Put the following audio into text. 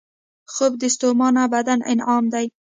خوب د ستومانو بدن انعام دی